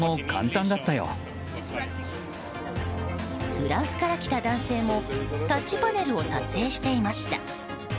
フランスから来た男性もタッチパネルを撮影していました。